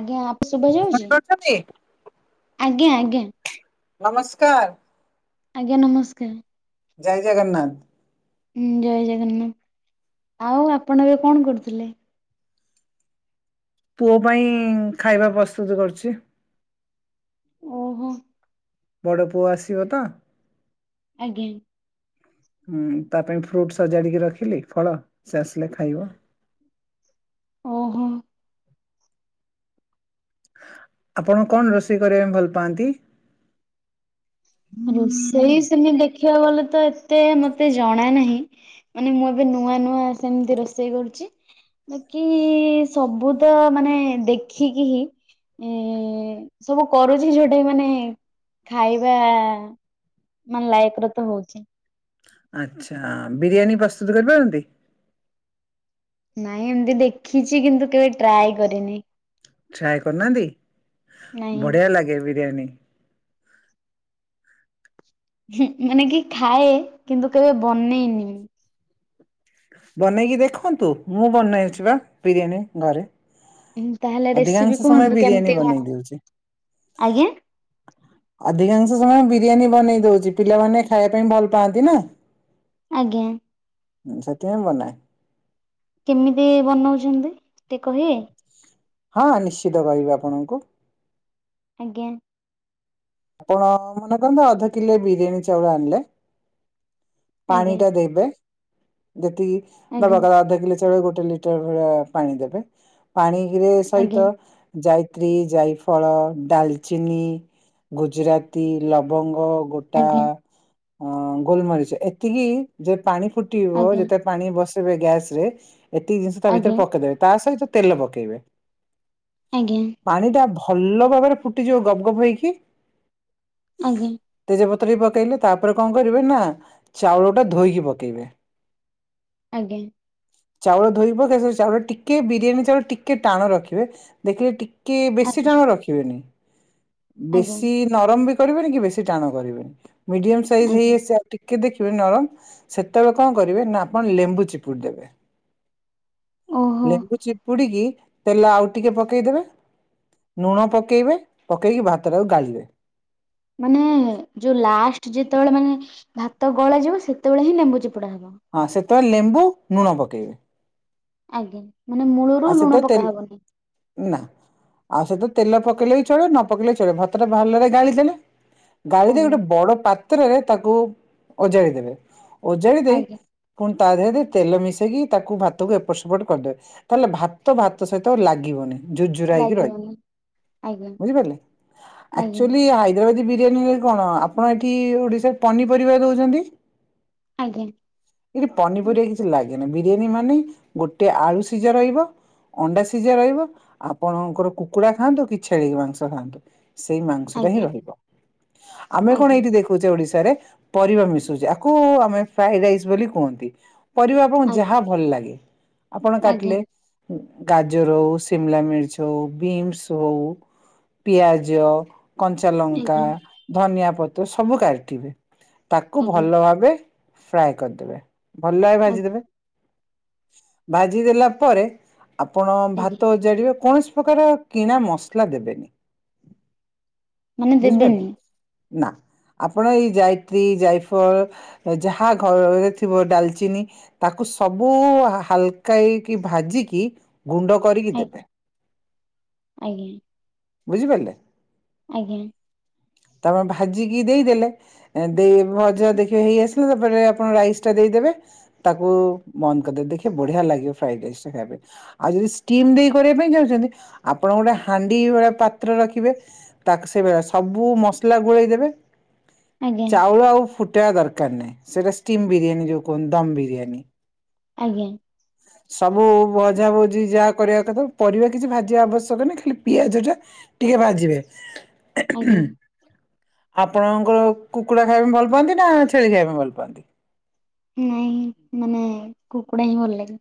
ଆଜ୍ଞା ଆପ ଶୁଭାଯାଉଚି ଶୁଣିପାରୁଛନ୍ତି ଆଜ୍ଞା ଆଜ୍ଞା। ନମସ୍କାର। ଆଜ୍ଞା ନମସ୍କାର। ଜୟ ଜଗନ୍ନାଥ। ହୁଁ ଜୟ ଜଗନ୍ନାଥ ଆଉ ଆପଣ ଏବେ କଣ କରୁଥିଲେ? ପୁଅ ପାଇଁ ଖାଇବା ପସ୍ତୁତ କରୁଚି। ଓହୋ। ବଡ଼ ପୁଅ ଆସିବତ। ଆଜ୍ଞା। ହୁଁ ତା ପାଇଁ ଫ୍ରୁଟ୍ ସଜାଡ଼ିକି ରଖିଲି ଫଳ ସେ ଆସିଲେ ଖାଇବ। ଓହୋ। ଆପଣ କଣ ରୋଷେଇ କରିବାପାଇଁ ଭଲ ପାଆନ୍ତି? ରୋଷେଇ ସେମିତି ଦେଖିବାକୁ ଗଲେ ତ ଏତେ ମତେ ଜଣା ନାହିଁ। ମାନେ ମୁଁ ଏବେ ନୂଆ ନୂଆ ସେମତି ରୋଷେଇ କରୁଚି। ବାକି ସବୁ ତ ମାନେ ଦେଖିକି ହି ଏ, ସବୁ କରୁଛି ଯୋଉଟା ମାନେ ଖାଇ ଯାହା ମାନେ ଲାଇଫ୍ ରେ ତ ହୋଉଛି। ଆଚ୍ଛା ବିରିୟାନୀ ପ୍ରସ୍ତୁତ କରିପାରନ୍ତି? ନାଇଁ ଏମତି ଦେଖିଚି କିନ୍ତୁ କେବେ ଟ୍ରାଏ କରିନି। ଟ୍ରାଏ କରନାହାଁନ୍ତି? ନାଇଁ। ବଢ଼ିଆ ଲାଗେ ବିରିୟାନୀ। ହୁଁ, ମାନେ କି ଖାଏ କିନ୍ତୁ କେବେ ବନେଇନି। ବନେଇକି ଦେଖନ୍ତୁ। ମୁଁ ବନେଇଛି ବା ବିରିୟାନୀ ଘରେ। ଉଁ, ତାହେଲେ ରେସିପି ଅଧିକାଂଶ ସମୟ କୁହନ୍ତୁ କେମିତି ବିରିୟାନୀ ବନେଇ କଣ? ଦୋଉଚି। ଆଜ୍ଞା ଅଧିକାଂଶ ସମୟ ବିରିୟାନୀ ବନେଇ ଦୋଉଚି ପିଲାମାନେ ଖାଇବା ପାଇଁ ଭଲ ପାଆନ୍ତି ନା। ଆଜ୍ଞା। ହୁଁ, ସେଥିପାଇଁ ବନାଏ। କେମିତି ବନଉଛନ୍ତି ଟିକେ କହିବେ? ହଁ ନିଶ୍ଚିତ କହିବି ଆପଣଙ୍କୁ। ଆଜ୍ଞା। ଆପଣ ମନେ କରନ୍ତୁ ଅଧ କିଲେ ବିରିୟାନୀ ଚାଉଳ ଆଣଲେ। ପାଣି ଆଜ୍ଞା ଟା ଦେବେ ଯେତିକି ଆଜ୍ଞା ଦବାକଥା ଅଧ କିଲେ ଚାଉଳ ରେ ଗୋଟେ ଲିଟର ଭଳିଆ ପାଣି ଦେବେ। ପାଣି ରେ ଆଜ୍ଞା ସଇତ ଯାଇତ୍ରୀ, ଯାଇଫଳ, ଡାଲଚିନି ଗୁଜୁରାତି, ଲବଙ୍ଗ, ଗୋ ଟା ଆଜ୍ଞା ଅଁ, ଗୋଲମରିଚ ଏତିକି ଯେ ପାଣି ଫୁଟିବ ଆଜ୍ଞା ଯେତେ ପାଣି ବସେଇବେ ଗ୍ୟାସ୍ ରେ ଏତିକି ଜିନିଷ ତା ଭିତରେ ଆଜ୍ଞା ପକେଇଦେବେ ତା ସଇତ ତେଲ ପକେଇବେ। ଆଜ୍ଞା। ପାଣି ଟା ଭଲ ଭାବରେ ଫୁଟିଯିବ ଗପ୍ ଗପ୍ ହେଇକି। ଆଜ୍ଞା। ତେଜପତ୍ର ବି ପକେଇଲେ। ତାପରେ କଣ କରିବେ ନା ଚାଉଳ ଟା ଧୋଇକି ପକେଇବେ। ଆଜ୍ଞା। ଚାଉଳ ଧୋଇକି ପକେଇବେ ସେ ଚାଉଳ ଟିକେ ବିରିୟାନୀ ଚାଉଳ ଟିକେ ଟାଣ ରଖିବେ। ଦେଖିବେ ଟି କି ବେଶୀ ଆଜ୍ଞା ଟାଣ ରଖିବେନି। ଆଜ୍ଞା ବେଶୀ ନରମ ବି କରିବେନି କି ବେଶୀ ଟାଣ କରିବେନି ମିଡିୟମ୍ ସାଇଜ୍ ହେଇ ଆଜ୍ଞା ଆସ ଟିକେ ଦେଖିବେ ନରମ ସେତେବେଳେ କଣ କରିବେ ନା ଆପଣ ଲେମ୍ବୁ ଚିପୁଡ଼ି ଦେବେ। ଓହୋ ଲେମ୍ବୁ ଚିପୁଡିକି ତେଲ ଆଉ ଟିକେ ପକେଇଦେବେ। ନୁଣ ପକେଇବେ ପକେଇକି ଭାତ ଟାକୁ ଗାଳିବେ। ମାନେ ଯୋଉ ଲାଷ୍ଟ ଯେତେବେଳେ ମାନେ ଭାତ ଗଳା ଯିବ ସେତେବେଳେ ହିଁ ଲେମ୍ବୁ ଚିପୁଡା ହବ? ହଁ ସେତେବେଳେ ଲେମ୍ବୁ ନୁଣ ପକେଇବେ। ଆଜ୍ଞା, ମାନେ ଆଉ ମୂଳରୁ ଲୁଣ ସେତେବେଳେ ପକା ହବନି? ନା। ଆଉ ସେଥି ତେଲ ପକେଇଲେ ବି ଚଳିବ ନ ପକେଇଲେ ଚଳିବ ଭାତଟା ଭଲରେ ଗାଳି ଦେଲେ। ଗାଳି ଦେଇ ଆଜ୍ଞା ଗୋଟେ ବଡ ପାତ୍ରରେ ତାକୁ ଓଜାଡିଦେବେ। ଓଜାଡ଼ି ଦେଇ ଆଜ୍ଞା ପୁଣି ତା ଦେହରେ ତେଲ ମିଶେଇକି ତାକୁ ଭାତକୁ ଏପଟ ସେପଟ କରଦେ। ତାହେଲେ ଭାତ ଭାତ ସହିତ ଆଉ ଲାଗିବନି। ଝୁର୍ଝୁରା ହେଇକି ରହିବ। ଲାଗିବନି ଆଜ୍ଞା ବୁଝିପାରିଲେ ଆଜ୍ଞା ଆକ୍ଚୁଲି ହାଇ ଦବାଦୀ ବିରିୟାନୀ ରେ କଣ ଆପଣ ଏଠି [unintelligible] ପନିପରିବା ଦଉଛନ୍ତି। ଆଜ୍ଞା। ଏଠି ପନିପରିବା କିଛି ଲାଗେନି ବିରିୟାନୀ ମାନେ ଗୋଟେ ଆଳୁ ସିଝା ରହିବ ଅଣ୍ଡା ସିଝା ରହିବ ଆପଣଙ୍କର କୁକୁଡା ଖାଆନ୍ତୁ କି ଛେଳି ମାଂସ ଖାଆନ୍ତୁ। ସେଇ ମାଂସଟା ହିଁ ଆଜ୍ଞା ରହିବ ଆମେ କଣ ଆଜ୍ଞା ଏଇଠି ଦେଖୁଛେ ଓଡିଶାରେ ପରିବା ମିଶାଉଛି ଆକୁ ଆମେ ଫ୍ରାଇଡ ରାଇସ୍ ବୋଲି କୁହନ୍ତି। ପରିବା ଆଣଙ୍କୁ ଆଜ୍ଞା ଯାହା ଭଲ ଲାଗେ ଆପଣ କା ଆଜ୍ଞା ଗାଜର ହଉ ସିମଲା ମିର୍ଚ ହଉ ବିନ୍ସ ହଉ ପିଆଜ କଞ୍ଚା ଲଙ୍କା ଆଜ୍ଞା ଧନିଆ ପତ୍ର ସବୁ କାଟିବେ ତାକୁ ଆଜ୍ଞା ଭଲ ଭାବେ ଫ୍ରାଏ କରିଦେବେ ଭଲ ଭ ଆଜ୍ଞା ଭାଜିଦେବେ ଭାଜିଦେଲା ତାପରେ ଆପଣ ଆଜ୍ଞା ଭାତ ଓଜାଡ଼ିବେ କୌଣସି ପ୍ରକାର କିଣା ମସଲା ଦେବେ ମାନେ ବୁଝିପାରିଲେ? ଦେବେନି ନା ଆପଣ ଏଇ ଯାଇତ୍ରୀ ଯାଇଫଳ ଯାହା ଘରେରେ ଥିବ ଡାଲଚିନି ତାକୁ ସବୁ ହାଲକା କି ଭାଜିକି ଗୁଣ୍ଡ କରିକି ଆଜ୍ଞା ଦେବେ ଆଜ୍ଞା ବୁଝିପାରିଲେ? ଆଜ୍ଞା। ତାପରେ ଭାଜିକି ଦେଇଦେଲେ ଦେଇ ଭଜା ଦେଖିବ ହେଇ ଆସିଲା ତାପରେ ଆପଣ ରାଇସ ଟା ଦେଇଦେବେ ତାକୁ ମନ୍ଦ କରିଦେବେ ଦେଖିବେ ବଢିଆ ଲାଗିବ ଫ୍ରାଇଡ ରାଇସ୍ ଟା ଖାଇବେ। ଆଉ ଯଦି ଷ୍ଟିମ ଦେଇ କରିବା ପାଇଁ ଚାହୁଁଛନ୍ତି ଆପଣ ଗୋଟେ ହାଣ୍ଡି ଭଳି ପାତ୍ର ରଖିବେ ତାକୁ ସେଳିଆ ସବୁ ମସଲା ଗୋଳେଇ ଦେବେ ଆଜ୍ଞା ଚାଉଳ ଆଉ ଫୁଟେଇବା ଦରକାର ନାହିଁ ସେଟା ଷ୍ଟିମ ବିରିୟାନୀ ଯୋଉ କୁହନ୍ତ ଦମ ବିରିୟାନୀ ଆଜ୍ଞା। ସବୁ ଭଝାଭୋଜିି ଯାହା କରିବା କଥା ପରିବା କିଛି ଭାଜିବା ଆବଶ୍ୟକ ନାହିଁ ଖାଲି ପିଆଜ ଟା ଟିକେ ବାହାଯିବେ ଆଜ୍ଞା ଆପଣଙ୍କର କୁକୁଡ଼ା ଖାଇବା ପାଇଁ ଭଲ ପାଆନ୍ତି ନା ଛେଳି ଖାଇବା ପାଇଁ ଭଲ ପାଆନ୍ତି? ନାଇଁ ମାନେ କୁକୁଡା ହିଁ ଭଲ ଲାଗେ।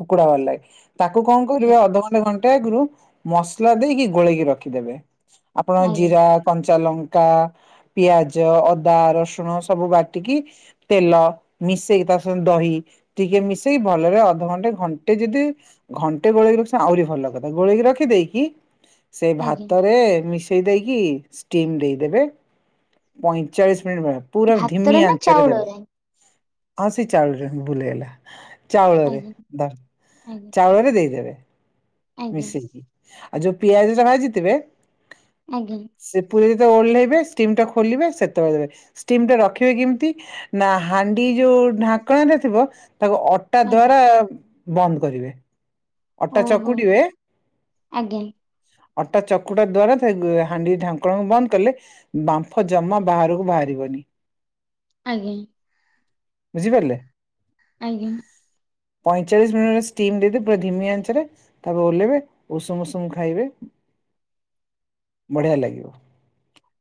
କୁକୁଡା ବାଲାଏ ତାକୁ କଣ ଆଜ୍ଞା କରିବେ ଅଧ ଘଣ୍ଟା ମସଲା ଦେଇକି ଗୋଳେଇକି ରଖିଦେବେ ଆପଣ ଆଜ୍ଞା ଜିରା କଞ୍ଚା ଲ ପିଆଜ ଅଦା ରସୁଣ ସବୁ ବାଟିକି ତେଲ ମିଶେଇ ତା ସତ ଦହି ଟିକେ ମିଶେଇି ଭଲରେ ଅଧଘ ଟେ ଘଣ୍ଟେ ଯଦି ଘଣ୍ଟେ ଗୋଳକି ରଖି ଆହୁରି ଭଲ କଥା ଗୋଳେଇକି ରଖିଦେଇକି ସେ ଆଜ୍ଞା ଭାତରେ ମିଶେଇ ଦେଇକି ଷ୍ଟିମ୍ ଦେଇଦେବେ ପଇଁଚାଳିଶ ମିନିଟ୍ ବେ ପୁରା ଧିମି ଭାତରେ ନା ଆଞ୍ଚରେ ଦେବେ। ଚାଉଳରେ ଆସି ଚାଳୁଛ ବୁଲେଇଗଲା [unintelligible] ଚାଉଳରେ ଆଜ୍ଞା ଧ ଆଜ୍ଞା ଚାଉଳରେ ଦେଇଦେବେ ଆଜ୍ଞା ମିଶେଇକି ଆଉ ଯୋଉ ପିଆଜ ଟା ଭାଜିଥିବେ ଆଜ୍ଞା। ସେ ପୁରୀ ଯେତେ ଓଲେହିବେ ହେବେ ଷ୍ଟିମ୍ ଟା ଖୋଲିବେ ସେତେବେଳେ ଷ୍ଟିମ ଟା ରଖିବେ କେମିତି ନା ହାଣ୍ଡି ଯୋଉ ଢାଙ୍କଣଟା ଥିବ ତାକୁ ଅ ଟା ଆଜ୍ଞା ଦ୍ଵାରା ବନ୍ଦ କରିବେ। ଅଟା ଓହୋ ଚକୁଡିବେ। ଆଜ୍ଞା ଅଟା ଚକୁଟା ଦ୍ଵାରା ସେ ହାଣ୍ଡି ଢାଙ୍କଣ ବନ୍ଦ କଲେ ବାମ୍ଫ ଜମା ବାହାରକୁ ବାହାରିବନି। ଆଜ୍ଞା। ବୁଝିପାରିଲେ? ଆଜ୍ଞା। ପଇଁଚାଳିଶ ମିନିଟ ଷ୍ଟିମ୍ ଦେଇଦେ ପୁରା ଧିମି ଆଞ୍ଚରେ ତାପରେ ଓହ୍ଲେଇବେ ଉଷୁମ ଉଷୁମ ଖାଇବେ। ବଢିଆ ଲାଗିବ।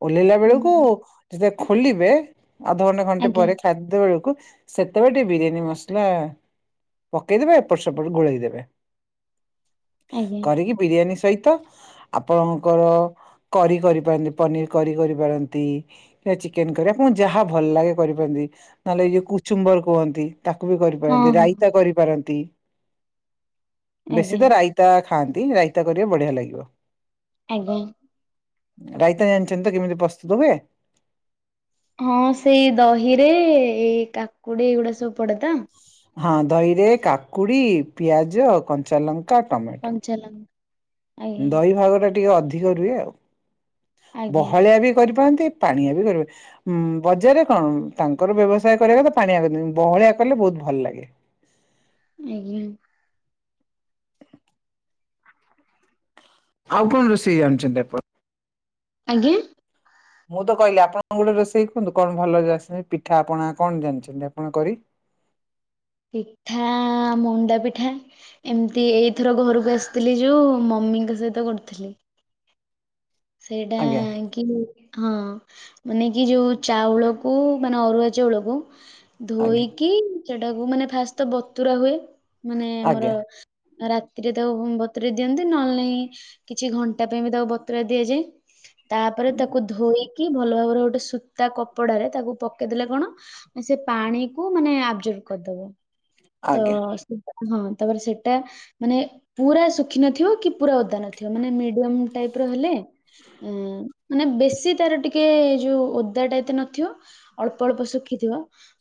ଓହ୍ଲେଇଲା ବେଳକୁ ହୁଁ, ଯେତେବେଳେ ଖୋଲିବେ ଅଧଘଣ୍ଟା ଘଣ୍ଟେ ଆଜ୍ଞା ପରେ ଖାଦ୍ୟ ବେଳକୁ ସେତେବେଳେ ଟିକେ ବିରିୟାନୀ ମସଲା ପକେଇଦେବେ, ଏପଟ ସେପଟ ଗୋଳେଇ ଦେବେ। ଆଜ୍ଞା କରିକି ବିରିୟାନୀ ସହିତ ଆପଣଙ୍କର କରି କରିପାରନ୍ତି, ପନିର କରି କରିପାରନ୍ତି। ଚିକେନ କରି ଆପଣଙ୍କୁ ଯାହା ଭଲ ଲାଗେ କରିପାରନ୍ତି ନହେଲେ ଏ ଯୋଉ କୁଚୁମ୍ବର କୁହନ୍ତି। ତାକୁ ବି ହଁ କରିପାରନ୍ତି, ହଁ ରାଇତା କରିପାରନ୍ତି। ବେଶୀ ଆଜ୍ଞା ତ ରାଇତା ଖାଆନ୍ତି, ରାଇତା କରିବେ ବଢିଆ ଲାଗିବ ଆଜ୍ଞା। ରାଇତା ଜାଣିଛନ୍ତି ତ କେମିତି ପ୍ରସ୍ତୁତ ହୁଏ। ହଁ ସେଇ ଦହିରେ ଏଇ କାକୁଡି ଏଇଗୁଡା ସବୁ ପଡେ ତ! ହଁ ଦହି ରେ କାକୁଡି, ପିଆଜ, କଞ୍ଚାଲଙ୍କ କଞ୍ଚା ଲଙ୍କା ଦହି ଭାଗ ଟା ଟିକେ ଅଧିକ ରୁହେ ଆଉ, ଆଜ୍ଞା ବହଳିଆ ବି କରିପାରନ୍ତି। ପାଣିଆ ବି କରିବେ। ଉଁ ବଜାରରେ କଣ ତାଙ୍କର ବ୍ୟବସାୟ କରିବାକୁ ପାଣିଆ କରିଦିଅନ୍ତି। ବହଳିଆ କଲେ ବହୁତ ଭଲ ଲାଗେ। ଆଜ୍ଞା। ଆଉ କଣ ରୋଷେଇ ଯାଣିଛନ୍ତି ଆପଣ? ଆଜ୍ଞା। ମୁଁ ତ କହିଲି ଆପଣ କଣ ଗୋଟେ ରୋଷେଇ କୁହନ୍ତୁ କଣ ଭଲରେ ଆସେ ପିଠାପଣା କଣ ଜାଣିଛନ୍ତି ଆପଣ କରି। ପିଠା- ମଣ୍ଡା ପିଠା। ଏମିତି ଏଇଥର ଘରକୁ ଆସିଥିଲି ଯୋଉ ମମିଙ୍କ ସହିତ କରୁଥିଲି। ସେଇଟା ଆଜ୍ଞା କି ହଁ ମାନେ କି ଯୋଉ ଚାଉଳକୁ ମାନେ ଅରୁଆ ଚାଉଳକୁ ଆଜ୍ଞା ଧୋଇକି ସେଟାକୁ ମାନେ ଫାଷ୍ଟ ତ ବତୁରା ହୁଏ ମାନେ ଆମର ଆଜ୍ଞା ରାତିରେ ତାକୁ ବତୁରେଇ ଦିଅନ୍ତି ନହେଲେ ନାହିଁ କିଛି ଘଣ୍ଟା ପାଇଁ ବି ତାକୁ ବତୁରା ଦିଆଯାଏ। ତାପରେ ତାକୁ ଧୋଇକି ଭଲ ଭାବରେ ଗୋଟେ ସୂତା କପଡ଼ାରେ ତାକୁ ପକେଇଦେଲେ କଣ ସେ ପାଣି କୁ ମାନେ ଆବଜର୍ଭ କରିଦବ। ତ ଆଜ୍ଞା ହଁ ତାପରେ ସେଟା ମାନେ ପୁରା ଶୁଖି ନଥିବ କି ପୁରା ଓଦା ନଥିବ ମାନେ ମିଡିୟମ ଟାଇପ୍ ର ହେଲେ ଉଁ ମାନେ ବେଶୀ ତାର ଟିକେ ଏ ଯୋଉ ଓଦା ଟା ଏତେ ନଥିବ। ଅଳ୍ପ ଅଳ୍ପ ଶୁଖିଥିବ।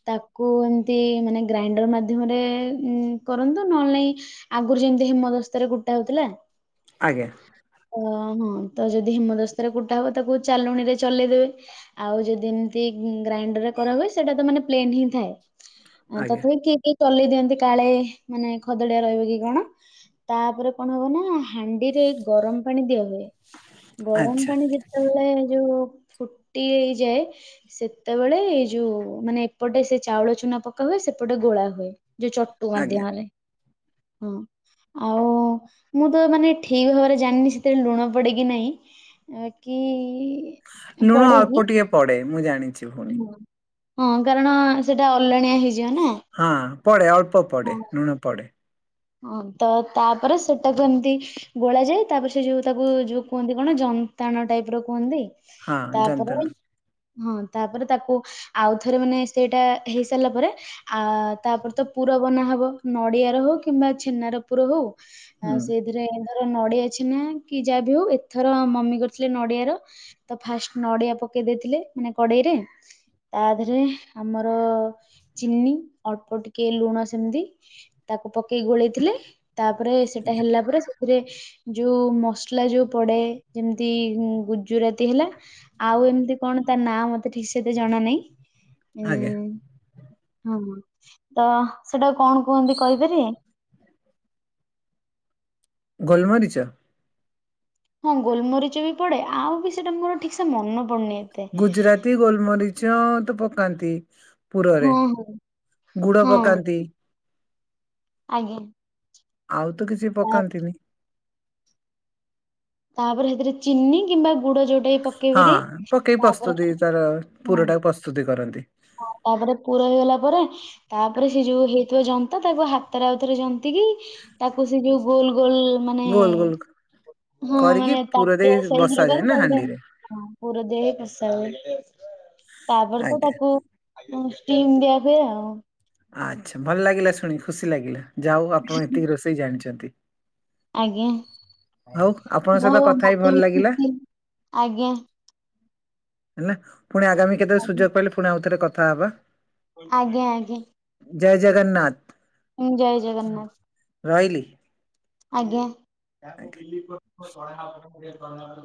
ତାକୁ ଏମତି ମାନେ ଗ୍ରାଇଣ୍ଡର ମାଧ୍ୟମରେ କରନ୍ତୁ ନହେଲେନାଇଁ ଆଗରୁ ଯେମିତି ହେମଦସ୍ତାରେ କୁଟା ହଉଥିଲା। ଆଜ୍ଞା। ଅ ହଁ ତ ଯଦି ହେମଦସ୍ତାରେ କୁଟା ହବ ତାକୁ ଚାଲୁଣୀରେ ଚଲେଇଦେବେ। ଆଉ ଯଦି ଏମିତି ଗ୍ରାଇଣ୍ଡରରେ କରା ହୁଏ ସେଇଟା ତ ମାନେ ପ୍ଲେନ ହିଁ ଥାଏ। ଆଜ୍ଞା ତଥାପି କିଏ କିଏ ଚଲେଇ ଦିଅନ୍ତି କାଳେ ମାନେ ଖଦଡିଆ ରହିବ କି କଣ। ତାପରେ କଣ ହବ ନା ହାଣ୍ଡିରେ ଗରମ ପାଣି ଦିଆ ହୁଏ। ଗରମ ଆଚ୍ଛା ପାଣି ଯେତେବେଳେ ଯୋଉ ଫୁଟି ହେଇଯାଏ। ସେତେବେଳେ ଏଇ ଯୋଉ ମାନେ ଏପଟେ ସେ ଚାଉଳ ଚୁନା ପକା ହୁଏ ସେପଟେ ଗୋଳା ହୁଏ। ଜୋଉ ଚଟୁ ଆଜ୍ଞା। ମାଧ୍ୟମରେ ହଁ ଆଉ ମୁଁ ତ ମାନେ ଠି ଭାବରେ ଜାଣିନି ସେଥିରେ ଲୁଣ ପଡ଼େ କି ନାହିଁ କି ଲୁଣ ଅଳ୍ପ ଟିକେ ପଡ଼େ ମୁଁ ଜାଣିଛି। ଭଉଣୀ ହ ହଁ କାରଣ ସେଟା ଅଲଣିଆ ହେଇ ହଁ ପଡ଼େ ଅଳ୍ପ ପଡ଼େ ନୁଣ ପଡ଼େ। ହଁ ତ ତାପରେ ସେଟାକୁ ଏମତି ଗୋଳା ଯାଏ ତାପରେ ସେ ଯୋଉ ତାକୁ ଯୋଉ କୁହନ୍ତି କଣ ଯନ୍ତାଣ ଟାଇପ୍ ର କୁହନ୍ତି। ହଁ ତାପରେ ଜାଣିଥାନ୍ତି ହଁ ତାପରେ ତାକୁ ଆଉଥରେ ମାନେ ସେଇଟା ହେଇ ସାରିଲା ପରେ ଆ ତାପରେ ତ ପୁରା ବନା ହବ ନଡ଼ିଆର ହଉ କି କିମ୍ବା ଛେନାର ପୁର ହଉ ଆ ହୁଁ ସେ ଏଥିରେ ଧର ନଡ଼ିଆ ଛେନା କି ଯାହା ବି ହଉ ଏଥର ମମି କରିଥିଲେ ନଡ଼ିଆର। ତ ଫାଷ୍ଟ ନଡ଼ିଆ ପକେଇ ଦେଇଥିଲେ ମାନେ କଡ଼େଇରେ ତା ଧେରେ ଆମର ଚିନି ଅଳ୍ପ ଟିକେ ଲୁଣ ସେମିତି ପକେଇକି ଗୋଳେଇଥିଲେ ତାପରେ ସେଟା ଆଜ୍ଞା ହେଲା ପରେ ଥିରେ ଯୋଉ ମସଲା ଯୋଉ ପଡ଼େ ଯେମିତି ଗୁଜୁରାତି ହେଲା। ଆଉ ଏମିତି କଣ ତା ନାଁ ମତେ ଠିକ୍ ସେ ଏତେ ଜଣା ନାଇଁ। ଆଜ୍ଞା। ଉଁ ହଁ ତ ସେଟାକୁ କଣ କୁହନ୍ତି? କହିପାରିବେ? ଗୋଲମରିଚ? ହଁ ଗୋଲମରିଚ ବି ପଡ଼େ ଆଉ ବି ସେଟା ମୋର ଠିକ୍ ସେ ମନ ପଡ଼ୁନି। ଗୁଜୁରାତି ଗୋଲମରିଚ ତ ପକାନ୍ତି। ପୁରରେ ହଁ ହଁ ଗୁଡ଼ ହଁ। ପକାନ୍ତି। ଆଜ୍ଞା। ଆଉ ତ କିଛି ତା ପକାନ୍ତିନି। ତାପରେ ହେଥିରେ ଚିନି କିମ୍ବା ଗୁଡ଼ ଯୋଉ ଏ ପକେଇ ହଁ ପାରିବେ ପକେଇ ତାପରେ ପ୍ରସ୍ତୁତି ତାର ହଁ। ପୁରଟାକୁ ପ୍ରସ୍ତୁତି କରନ୍ତି ହ ତାପରେ ପୁର ହେଇଗଲା ପରେ ତାପରେ ସେ ଯୋଉ ହେଇଥିବା ଯନ୍ତ ତାକୁ ହାତରେ ଆଉଥରେ ଯ ତିକି ତାକୁ ସେ ଯୋଉ ଗୋଲ୍ ଗୋଲ୍ ମାନେ ଗୋଲ ଗୋଲ ହଁ କରିକି ମାନେ ପୁର ଦେଇ ବସାଯାଏ ନା ହାଣ୍ଡିରେ [unintelligible] ହଁ ପୁର ଦେହ ପେସାଉ ତାପରେ ତ ଆଜ୍ଞା ତାକୁ ଷ୍ଟିମ୍ ଦିଆ ଯାଏ ଆଉ। ଆଚ୍ଛ ଭଲ ଲାଗିଲା ଶୁଣି ଖୁସି ଲାଗିଲା ଯାଉ ଆପଣ ଏତିକି ରୋଷେଇ ଜାଣିଛନ୍ତି। ଆଜ୍ଞା ହଉ ଆପଣଙ୍କ ସହିତ ଯଉ କଥା ହେଇ ଭଲ ମତେ ବି ଲାଗିଲା ଖୁସି ଆଜ୍ଞା। ହେଲା ପୁଣି ଆଗାମୀ କେତେବେଳେ ଆଜ୍ଞା ସୁଯୋଗ ପାଇଲେ ପୁଣି ଆଉ ଥରେ କଥା ହବା। ଆଜ୍ଞା ଆଜ୍ଞା। ଜୟ ଜୟ ଜଗନ୍ନାଥ ଜଗନ୍ନାଥ ରହିଲି। ଆଜ୍ଞା।